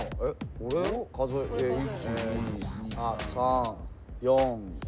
これを数えて１２３４。